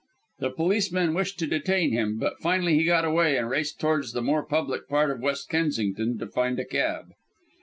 The policemen wished to detain him, but finally he got away, and raced towards the more public part of West Kensington to find a cab.